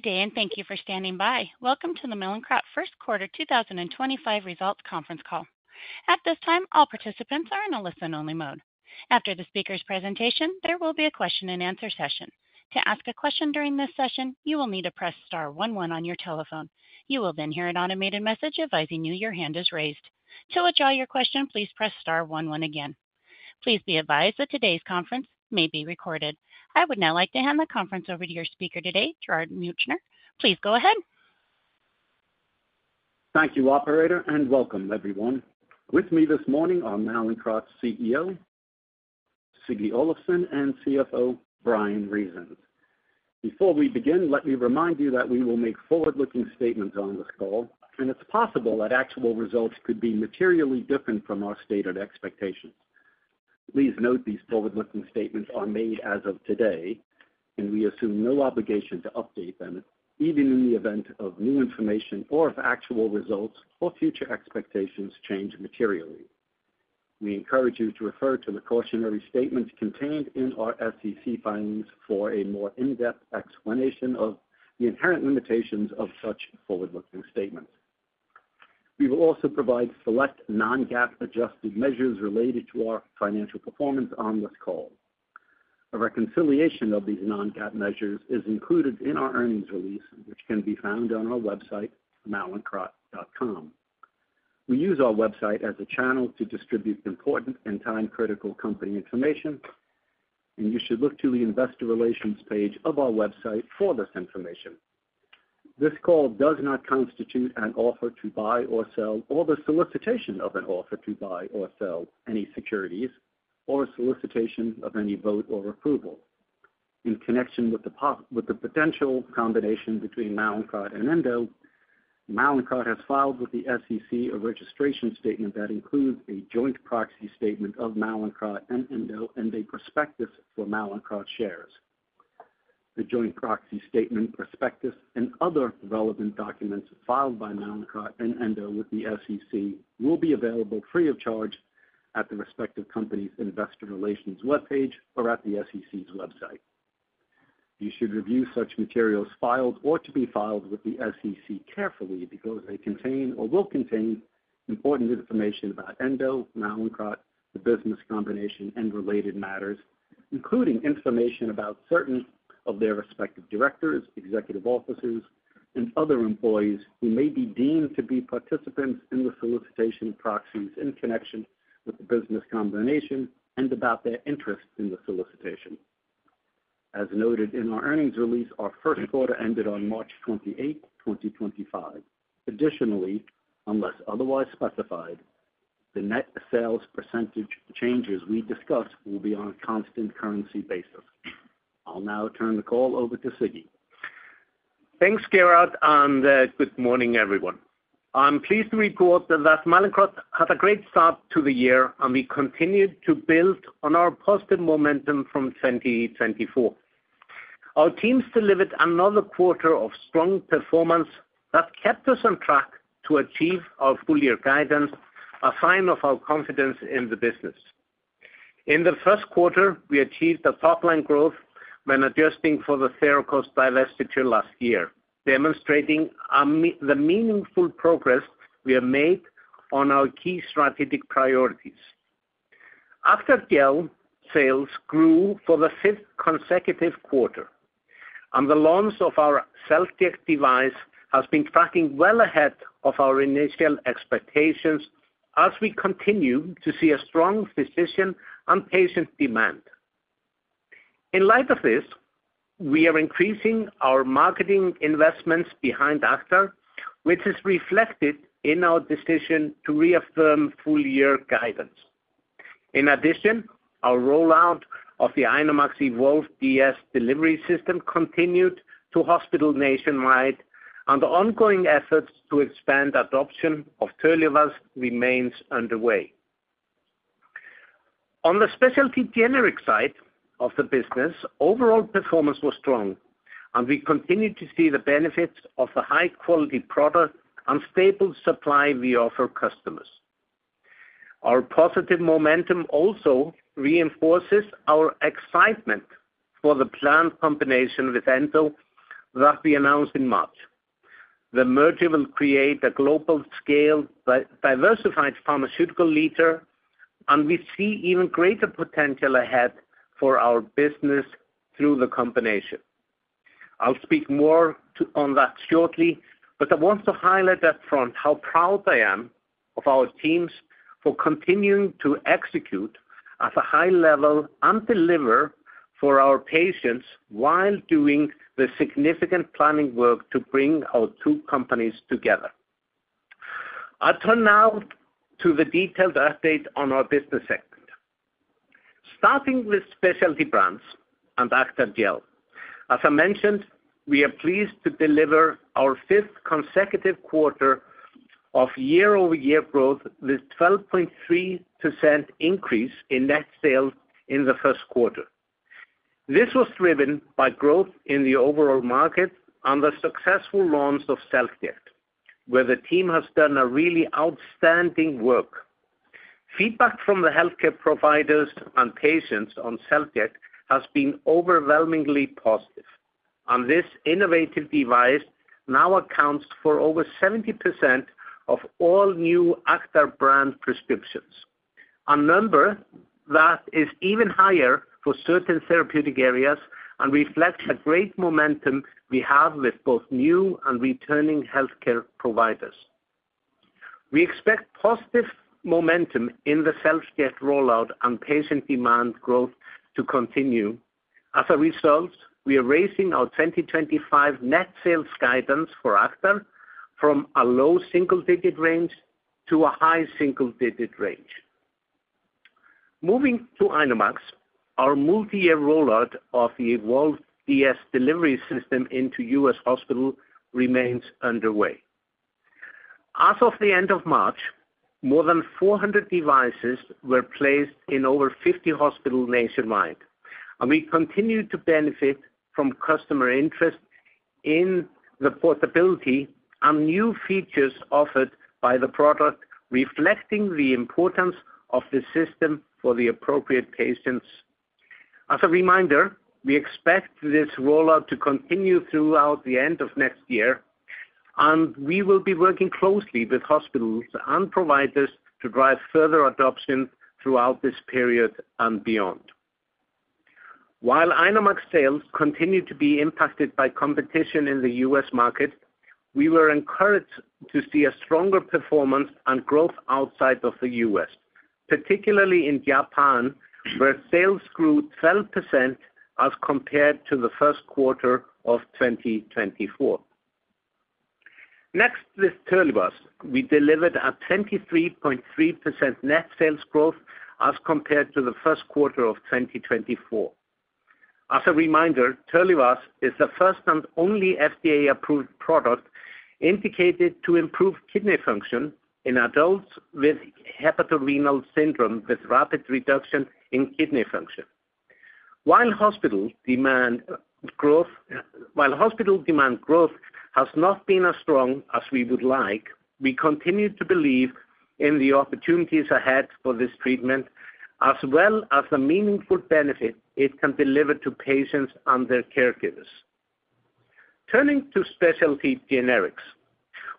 Good day, and thank you for standing by. Welcome to the Mallinckrodt First Quarter 2025 Results Conference Call. At this time, all participants are in a listen-only mode. After the speaker's presentation, there will be a question-and-answer session. To ask a question during this session, you will need to press star one one on your telephone. You will then hear an automated message advising you your hand is raised. To withdraw your question, please press star one one again. Please be advised that today's conference may be recorded. I would now like to hand the conference over to your speaker today, Gerard Meuchner. Please go ahead. Thank you, Operator, and welcome, everyone. With me this morning are Mallinckrodt CEO, Siggi Olafsson, and CFO, Bryan Reasons. Before we begin, let me remind you that we will make forward-looking statements on this call, and it's possible that actual results could be materially different from our stated expectations. Please note these forward-looking statements are made as of today, and we assume no obligation to update them, even in the event of new information or if actual results or future expectations change materially. We encourage you to refer to the cautionary statements contained in our SEC filings for a more in-depth explanation of the inherent limitations of such forward-looking statements. We will also provide select non-GAAP adjusted measures related to our financial performance on this call. A reconciliation of these non-GAAP measures is included in our earnings release, which can be found on our website, mallinckrodt.com. We use our website as a channel to distribute important and time-critical company information, and you should look to the investor relations page of our website for this information. This call does not constitute an offer to buy or sell, or the solicitation of an offer to buy or sell any securities, or a solicitation of any vote or approval. In connection with the potential combination between Mallinckrodt and Endo, Mallinckrodt has filed with the SEC a registration statement that includes a joint proxy statement of Mallinckrodt and Endo and a prospectus for Mallinckrodt shares. The joint proxy statement, prospectus, and other relevant documents filed by Mallinckrodt and Endo with the SEC will be available free of charge at the respective company's investor relations webpage or at the SEC's website. You should review such materials filed or to be filed with the SEC carefully because they contain or will contain important information about Endo, Mallinckrodt, the business combination, and related matters, including information about certain of their respective directors, executive officers, and other employees who may be deemed to be participants in the solicitation proxies in connection with the business combination and about their interest in the solicitation. As noted in our earnings release, our first quarter ended on March 28, 2025. Additionally, unless otherwise specified, the net sales percentage changes we discussed will be on a constant currency basis. I'll now turn the call over to Siggi. Thanks, Gerard, and good morning, everyone. I'm pleased to report that Mallinckrodt has a great start to the year, and we continue to build on our positive momentum from 2024. Our teams delivered another quarter of strong performance that kept us on track to achieve our full-year guidance, a sign of our confidence in the business. In the first quarter, we achieved a top-line growth when adjusting for the share cost divestiture last year, demonstrating the meaningful progress we have made on our key strategic priorities. Acthar sales grew for the fifth consecutive quarter, and the launch of our SelfJect device has been tracking well ahead of our initial expectations as we continue to see a strong physician and patient demand. In light of this, we are increasing our marketing investments behind Acthar, which is reflected in our decision to reaffirm full-year guidance. In addition, our rollout of the INOmax EVOLVE DS delivery system continued to hospitals nationwide, and the ongoing efforts to expand adoption of Terlivaz remain underway. On the specialty generic side of the business, overall performance was strong, and we continue to see the benefits of the high-quality product and stable supply we offer customers. Our positive momentum also reinforces our excitement for the planned combination with Endo that we announced in March. The merger will create a global-scale diversified pharmaceutical leader, and we see even greater potential ahead for our business through the combination. I'll speak more on that shortly, but I want to highlight upfront how proud I am of our teams for continuing to execute at a high level and deliver for our patients while doing the significant planning work to bring our two companies together. I'll turn now to the detailed update on our business segment. Starting with specialty brands and Acthar Gel, as I mentioned, we are pleased to deliver our fifth consecutive quarter of year-over-year growth with a 12.3% increase in net sales in the first quarter. This was driven by growth in the overall market and the successful launch of SelfJect, where the team has done really outstanding work. Feedback from the healthcare providers and patients on Selfject has been overwhelmingly positive, and this innovative device now accounts for over 70% of all new Acthar brand prescriptions. A number that is even higher for certain therapeutic areas and reflects the great momentum we have with both new and returning healthcare providers. We expect positive momentum in the SelfJect rollout and patient demand growth to continue. As a result, we are raising our 2025 net sales guidance for Acthar from a low single-digit range to a high single-digit range. Moving to INOmax, our multi-year rollout of the EVOLVE DS delivery system into U.S. hospitals remains underway. As of the end of March, more than 400 devices were placed in over 50 hospitals nationwide, and we continue to benefit from customer interest in the portability and new features offered by the product, reflecting the importance of the system for the appropriate patients. As a reminder, we expect this rollout to continue throughout the end of next year, and we will be working closely with hospitals and providers to drive further adoption throughout this period and beyond. While INOmax sales continue to be impacted by competition in the U.S. market, we were encouraged to see a stronger performance and growth outside of the U.S., particularly in Japan, where sales grew 12% as compared to the first quarter of 2024. Next, with Terlivaz, we delivered a 23.3% net sales growth as compared to the first quarter of 2024. As a reminder, Terlivaz is the first and only FDA-approved product indicated to improve kidney function in adults with hepatorenal syndrome with rapid reduction in kidney function. While hospital demand growth has not been as strong as we would like, we continue to believe in the opportunities ahead for this treatment, as well as the meaningful benefit it can deliver to patients and their caregivers. Turning to specialty generics,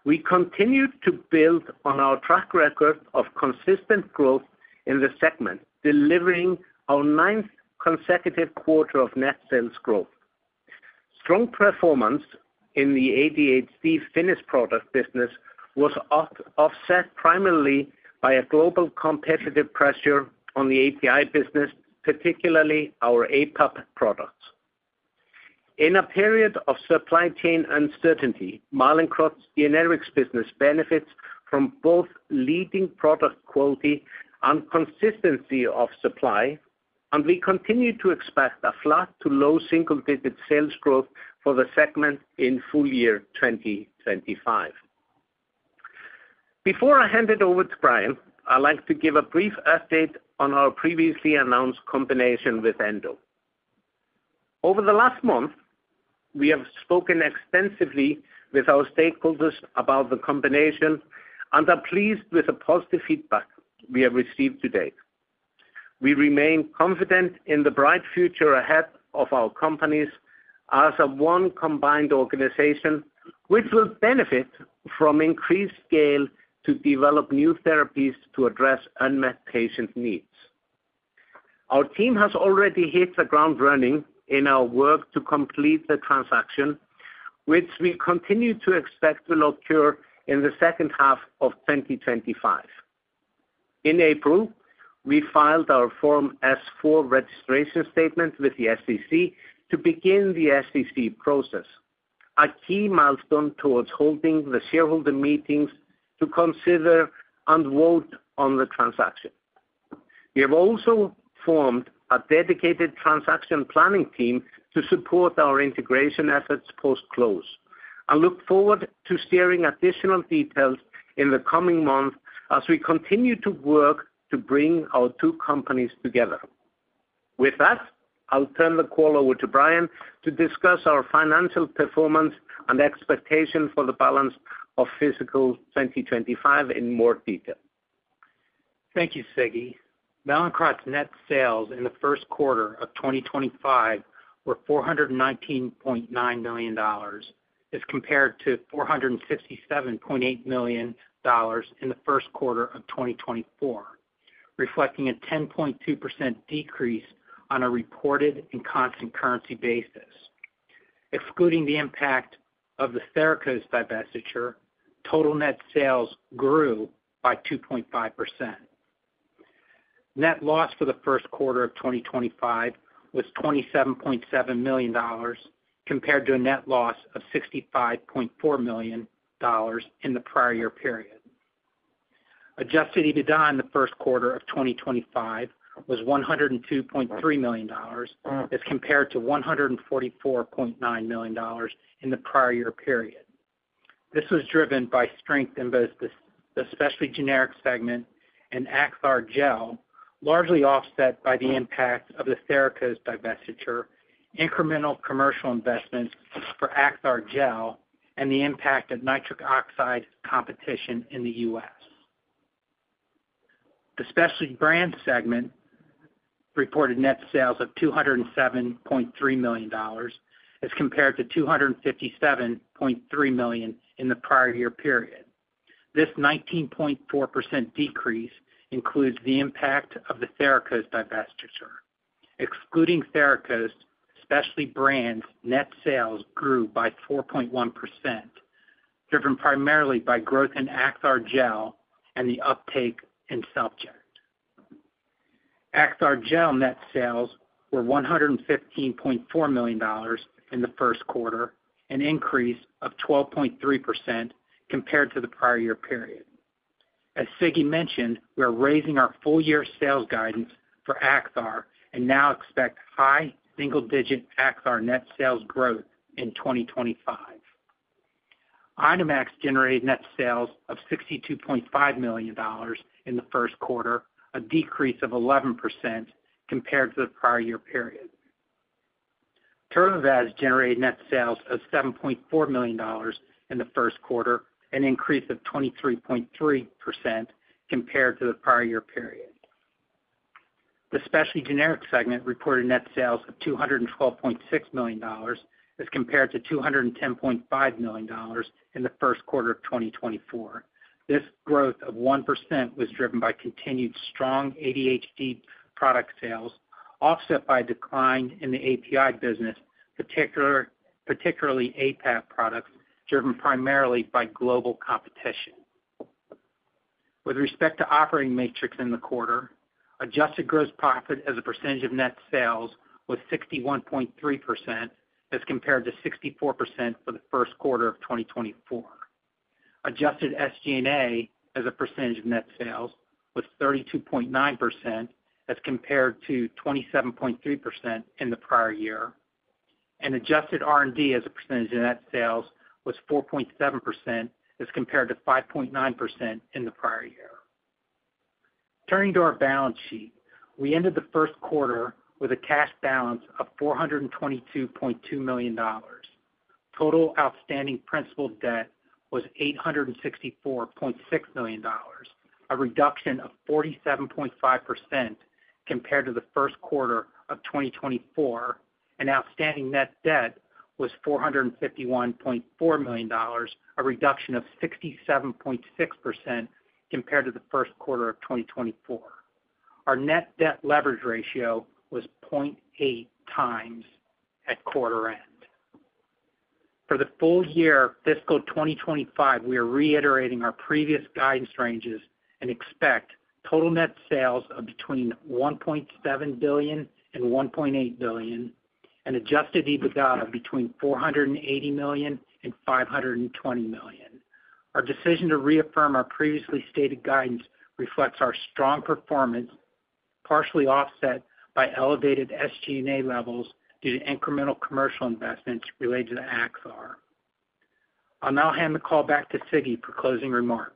we continue to build on our track record of consistent growth in the segment, delivering our ninth consecutive quarter of net sales growth. Strong performance in the ADHD finished product business was offset primarily by a global competitive pressure on the API business, particularly our APAP products. In a period of supply chain uncertainty, Mallinckrodt's generics business benefits from both leading product quality and consistency of supply, and we continue to expect a flat to low single-digit sales growth for the segment in full year 2025. Before I hand it over to Bryan, I'd like to give a brief update on our previously announced combination with Endo. Over the last month, we have spoken extensively with our stakeholders about the combination and are pleased with the positive feedback we have received to date. We remain confident in the bright future ahead of our companies as one combined organization, which will benefit from increased scale to develop new therapies to address unmet patient needs. Our team has already hit the ground running in our work to complete the transaction, which we continue to expect to occur in the second half of 2025. In April, we filed our Form S-4 registration statement with the SEC to begin the SEC process, a key milestone towards holding the shareholder meetings to consider and vote on the transaction. We have also formed a dedicated transaction planning team to support our integration efforts post-close. I look forward to sharing additional details in the coming months as we continue to work to bring our two companies together. With that, I'll turn the call over to Bryan to discuss our financial performance and expectation for the balance of fiscal 2025 in more detail. Thank you, Siggi. Mallinckrodt's net sales in the first quarter of 2025 were $419.9 million as compared to $467.8 million in the first quarter of 2024, reflecting a 10.2% decrease on a reported and constant currency basis. Excluding the impact of the Sarcos divestiture, total net sales grew by 2.5%. Net loss for the first quarter of 2025 was $27.7 million compared to a net loss of $65.4 million in the prior year period. Adjusted EBITDA in the first quarter of 2025 was $102.3 million as compared to $144.9 million in the prior year period. This was driven by strength in both the specialty generic segment and Acthar Gel, largely offset by the impact of the Sarcos divestiture, incremental commercial investments for Acthar Gel, and the impact of nitric oxide competition in the U.S. The specialty brand segment reported net sales of $207.3 million as compared to $257.3 million in the prior year period. This 19.4% decrease includes the impact of the Sarcos divestiture. Excluding Sarcos, specialty brand's net sales grew by 4.1%, driven primarily by growth in Acthar Gel and the uptake in SelfJect. Acthar Gel net sales were $115.4 million in the first quarter, an increase of 12.3% compared to the prior year period. As Siggi mentioned, we are raising our full-year sales guidance for Acthar and now expect high single-digit Acthar net sales growth in 2025. INOmax generated net sales of $62.5 million in the first quarter, a decrease of 11% compared to the prior year period. Terlivaz generated net sales of $7.4 million in the first quarter, an increase of 23.3% compared to the prior year period. The specialty generic segment reported net sales of $212.6 million as compared to $210.5 million in the first quarter of 2024. This growth of 1% was driven by continued strong ADHD product sales, offset by a decline in the API business, particularly APAP products, driven primarily by global competition. With respect to operating matrix in the quarter, adjusted gross profit as a percentage of net sales was 61.3% as compared to 64% for the first quarter of 2024. Adjusted SG&A as a percentage of net sales was 32.9% as compared to 27.3% in the prior year, and adjusted R and D as a percentage of net sales was 4.7% as compared to 5.9% in the prior year. Turning to our balance sheet, we ended the first quarter with a cash balance of $422.2 million. Total outstanding principal debt was $864.6 million, a reduction of 47.5% compared to the first quarter of 2024, and outstanding net debt was $451.4 million, a reduction of 67.6% compared to the first quarter of 2024. Our net debt leverage ratio was 0.8x at quarter end. For the full year fiscal 2025, we are reiterating our previous guidance ranges and expect total net sales of between $1.7 billion and $1.8 billion, and adjusted EBITDA of between $480 million and $520 million. Our decision to reaffirm our previously stated guidance reflects our strong performance, partially offset by elevated SG&A levels due to incremental commercial investments related to AXA. I'll now hand the call back to Siggi for closing remarks.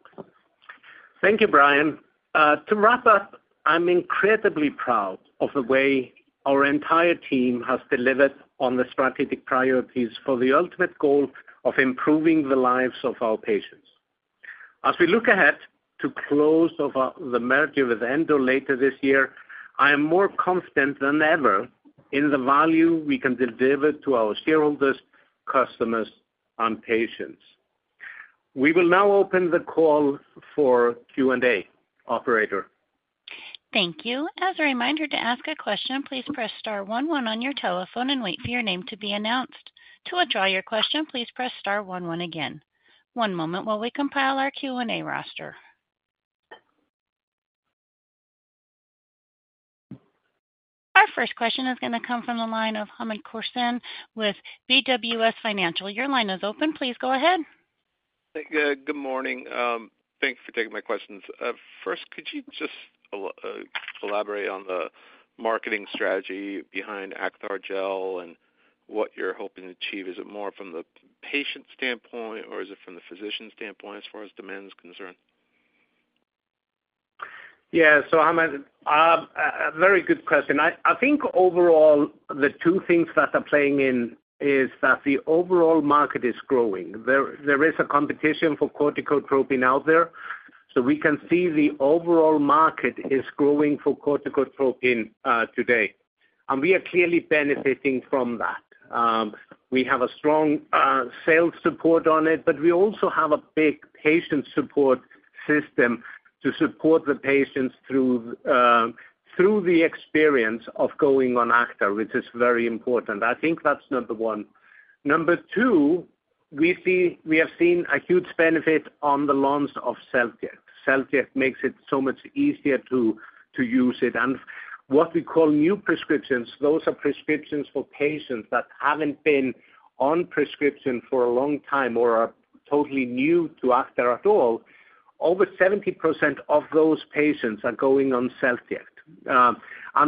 Thank you, Bryan. To wrap up, I'm incredibly proud of the way our entire team has delivered on the strategic priorities for the ultimate goal of improving the lives of our patients. As we look ahead to the close of the merger with Endo later this year, I am more confident than ever in the value we can deliver to our shareholders, customers, and patients. We will now open the call for Q and A, Operator. Thank you. As a reminder, to ask a question, please press star one one on your telephone and wait for your name to be announced. To withdraw your question, please press star one one again. One moment while we compile our Q and A roster. Our first question is going to come from the line of Hamed Khorsand with BWS Financial. Your line is open. Please go ahead. Good morning. Thanks for taking my questions. First, could you just elaborate on the marketing strategy behind Acthar Gel and what you're hoping to achieve? Is it more from the patient standpoint, or is it from the physician standpoint as far as demand is concerned? Yeah. Hamed, a very good question. I think overall, the two things that are playing in is that the overall market is growing. There is a competition for corticotropin out there. We can see the overall market is growing for corticotropin today, and we are clearly benefiting from that. We have a strong sales support on it, but we also have a big patient support system to support the patients through the experience of going on Acthar, which is very important. I think that's number one. Number two, we have seen a huge benefit on the launch of SelfJect. SelfJect makes it so much easier to use it. What we call new prescriptions, those are prescriptions for patients that have not been on prescription for a long time or are totally new to Acthar at all. Over 70% of those patients are going on SelfJect.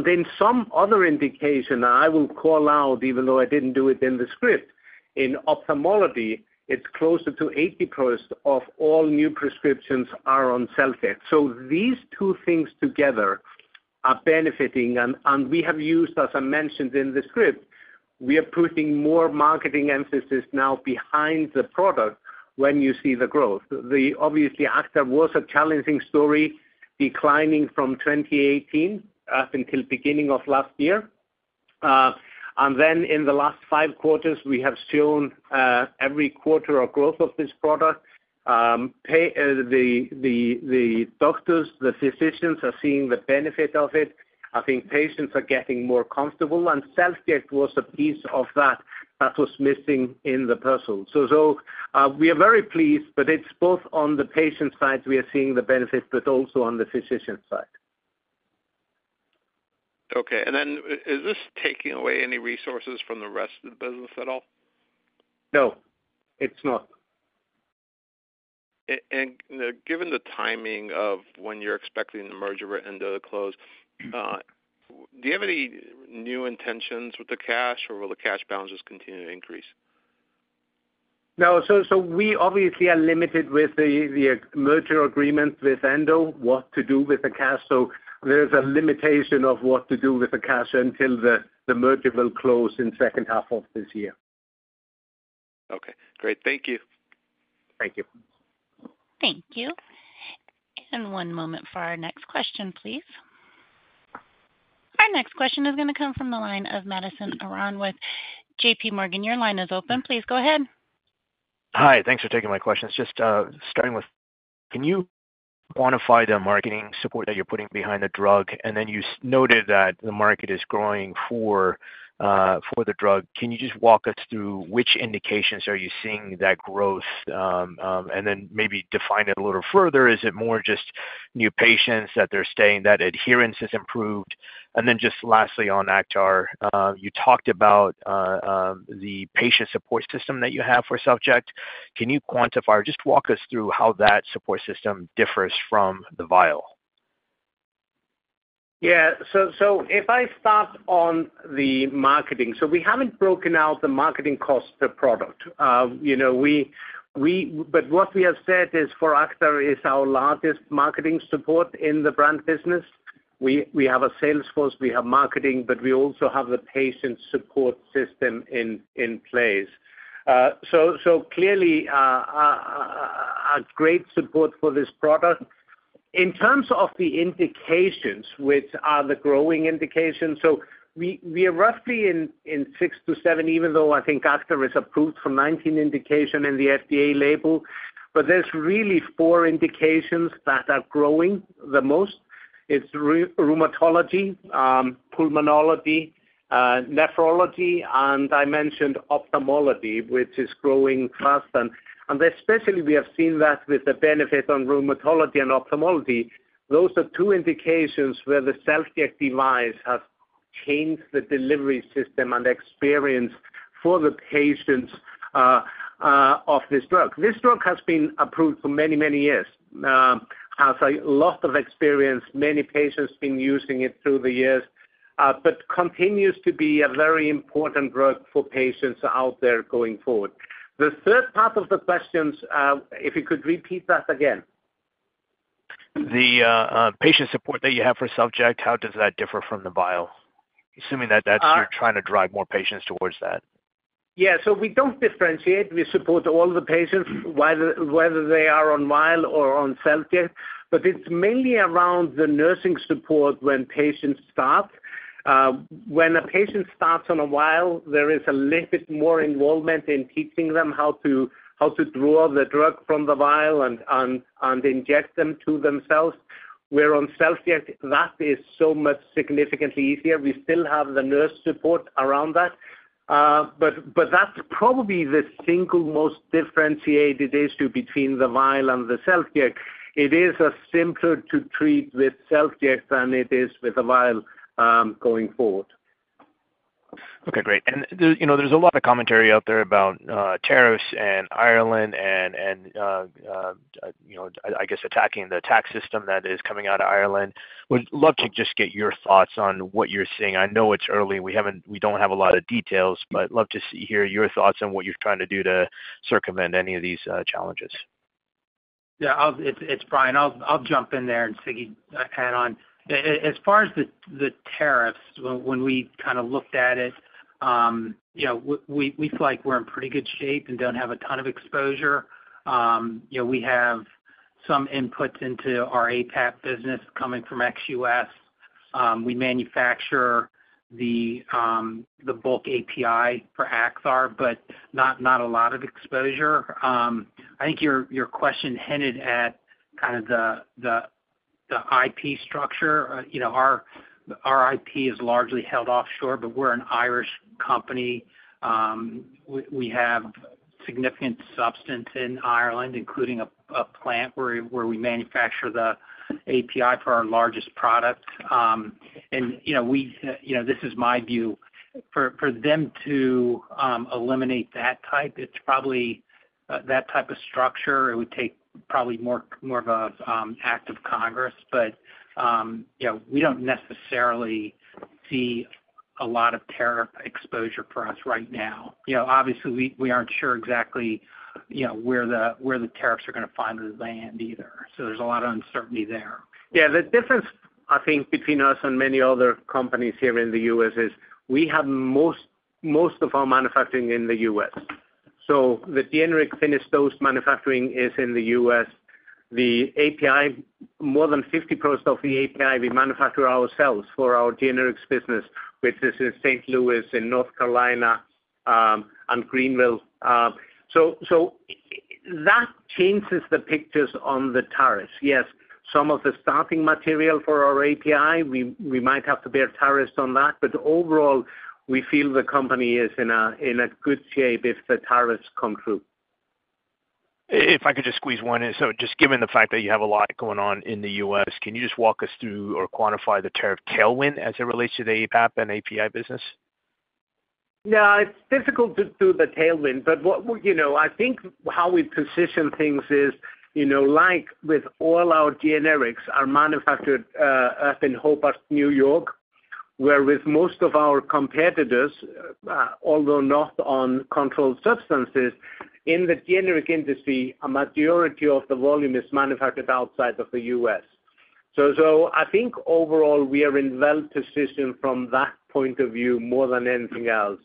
Then some other indication, and I will call out, even though I did not do it in the script, in ophthalmology, it is closer to 80% of all new prescriptions are on SelfJect. These two things together are benefiting, and we have used, as I mentioned in the script, we are putting more marketing emphasis now behind the product when you see the growth. Obviously, Acthar was a challenging story, declining from 2018 up until the beginning of last year. In the last five quarters, we have shown every quarter a growth of this product. The doctors, the physicians are seeing the benefit of it. I think patients are getting more comfortable, and SelfJect was a piece of that that was missing in the puzzle. We are very pleased, but it is both on the patient's side we are seeing the benefit, but also on the physician's side. Okay. Is this taking away any resources from the rest of the business at all? No. It's not. Given the timing of when you're expecting the merger with Endo to close, do you have any new intentions with the cash, or will the cash balance just continue to increase? No. So we obviously are limited with the merger agreement with Endo, what to do with the cash. So there is a limitation of what to do with the cash until the merger will close in the second half of this year. Okay. Great. Thank you. Thank you. Thank you. One moment for our next question, please. Our next question is going to come from the line of Madison Aron with JPMorgan. Your line is open. Please go ahead. Hi. Thanks for taking my question. Just starting with, can you quantify the marketing support that you're putting behind the drug? You noted that the market is growing for the drug. Can you just walk us through which indications are you seeing that growth, and then maybe define it a little further? Is it more just new patients that they're staying, that adherence has improved? Just lastly on AXA, you talked about the patient support system that you have for SelfJect. Can you quantify or just walk us through how that support system differs from the vial? Yeah. If I start on the marketing, we haven't broken out the marketing cost per product. What we have said is for Acthar is our largest marketing support in the brand business. We have a sales force, we have marketing, but we also have the patient support system in place. Clearly, a great support for this product. In terms of the indications, which are the growing indications, we are roughly in six to seven, even though I think Acthar is approved for 19 indications in the FDA label, but there are really four indications that are growing the most. It's rheumatology, pulmonology, nephrology, and I mentioned ophthalmology, which is growing fast. Especially, we have seen that with the benefit on rheumatology and ophthalmology. Those are two indications where the SelfJect device has changed the delivery system and experience for the patients of this drug. This drug has been approved for many, many years. Has a lot of experience. Many patients have been using it through the years, but continues to be a very important drug for patients out there going forward. The third part of the questions, if you could repeat that again. The patient support that you have for SelfJect, how does that differ from the vial? Assuming that that's you're trying to drive more patients towards that. Yeah. We do not differentiate. We support all the patients, whether they are on vial or on SelfJect, but it is mainly around the nursing support when patients start. When a patient starts on a vial, there is a little bit more involvement in teaching them how to draw the drug from the vial and inject them to themselves. Where on SelfJect, that is so much significantly easier. We still have the nurse support around that, but that is probably the single most differentiated issue between the vial and the SelfJect. It is simpler to treat with SelfJect than it is with a vial going forward. Okay. Great. There is a lot of commentary out there about tariffs and Ireland and, I guess, attacking the tax system that is coming out of Ireland. Would love to just get your thoughts on what you're seeing. I know it's early. We do not have a lot of details, but I'd love to hear your thoughts on what you're trying to do to circumvent any of these challenges. Yeah. It's Bryan. I'll jump in there and Siggi add on. As far as the tariffs, when we kind of looked at it, we feel like we're in pretty good shape and don't have a ton of exposure. We have some inputs into our APAP business coming from ex-U.S. We manufacture the bulk API for APAP, but not a lot of exposure. I think your question hinted at kind of the IP structure. Our IP is largely held offshore, but we're an Irish company. We have significant substance in Ireland, including a plant where we manufacture the API for our largest product. And this is my view. For them to eliminate that type, it's probably that type of structure, it would take probably more of an act of Congress, but we don't necessarily see a lot of tariff exposure for us right now. Obviously, we aren't sure exactly where the tariffs are going to find their way in either. There is a lot of uncertainty there. Yeah. The difference, I think, between us and many other companies here in the U.S. is we have most of our manufacturing in the U.S. The generic finished dose manufacturing is in the U.S. More than 50% of the API we manufacture ourselves for our generics business, which is in St. Louis and North Carolina and Greenville. That changes the pictures on the tariffs. Yes, some of the starting material for our API, we might have to bear tariffs on that, but overall, we feel the company is in good shape if the tariffs come through. If I could just squeeze one in. Just given the fact that you have a lot going on in the U.S., can you just walk us through or quantify the tariff tailwind as it relates to the APAP and API business? Yeah. It's difficult to do the tailwind, but I think how we position things is like with all our generics, are manufactured up in Hobart, New York, where with most of our competitors, although not on controlled substances, in the generic industry, a majority of the volume is manufactured outside of the U.S. I think overall, we are well-positioned from that point of view more than anything else.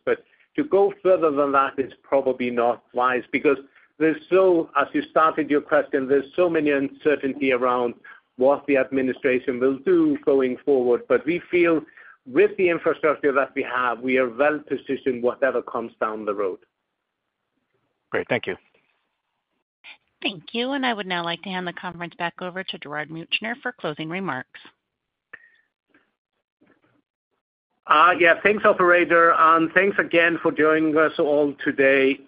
To go further than that is probably not wise because there's still, as you started your question, there's so many uncertainty around what the administration will do going forward. We feel with the infrastructure that we have, we are well-positioned whatever comes down the road. Great. Thank you. Thank you. I would now like to hand the conference back over to Gerard Meuchner for closing remarks. Yeah. Thanks, Operator. Thanks again for joining us all today.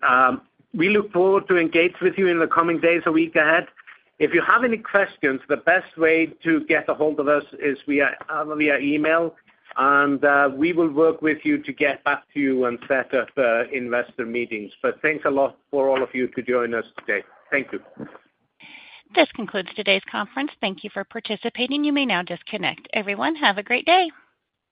We look forward to engage with you in the coming days or week ahead. If you have any questions, the best way to get a hold of us is via email, and we will work with you to get back to you and set up investor meetings. Thanks a lot for all of you to join us today. Thank you. This concludes today's conference. Thank you for participating. You may now disconnect. Everyone, have a great day.